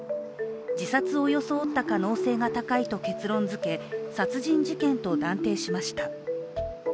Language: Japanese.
自殺を装った可能性が高いと結論づけ殺人事件と断定しました。